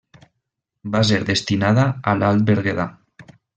Va ser destinada a l'Alt Berguedà.